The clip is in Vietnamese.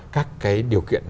các cái điều kiện